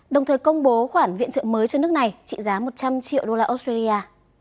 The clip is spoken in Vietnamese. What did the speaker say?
đồng thời công bố khoản viện trợ mới cho nước này trị giá một trăm linh triệu đô la australia